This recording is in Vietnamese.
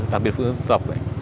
đặc biệt phụ nữ dân tộc ấy